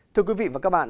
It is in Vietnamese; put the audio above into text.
thưa quý vị và các bạn